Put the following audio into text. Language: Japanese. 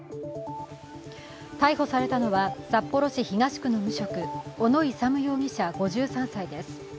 逮捕されたのは、札幌市東区の無職・小野勇容疑者５３歳です。